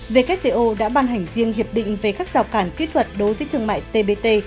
wto đã ban hành riêng hiệp định về các rào cản kỹ thuật đối với thương mại tbt